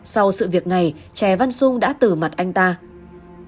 sau sự việc này trè văn sung đã tử mặt anh trai